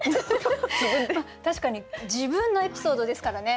確かに自分のエピソードですからね。